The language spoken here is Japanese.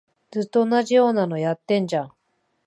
ずっと同じようなのやってんじゃん